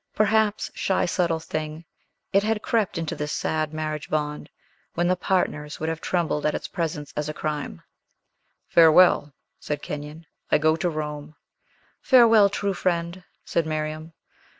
Perhaps shy, subtle thing it had crept into this sad marriage bond, when the partners would have trembled at its presence as a crime. "Farewell!" said Kenyon; "I go to Rome." "Farewell, true friend!" said Miriam.